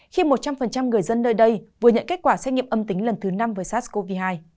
khi một trăm linh người dân nơi đây vừa nhận kết quả xét nghiệm âm tính lần thứ năm với sars cov hai